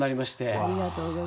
ありがとうございます。